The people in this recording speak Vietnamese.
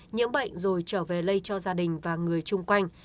nhiễm bệnh rồi trở về lây cho gia đình và người chung quanh